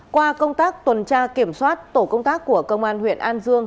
qua công tác tuần tra kiểm soát tổ công tác của công an huyện an dương